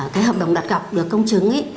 cái hợp đồng đặt cọc được công chứng